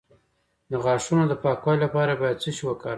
د غاښونو د پاکوالي لپاره باید څه شی وکاروم؟